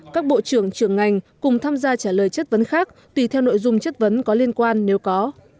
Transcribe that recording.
các bộ trưởng trưởng ngành cùng tham gia trả lời chất vấn khác tùy theo nội dung chất vấn có liên quan nếu có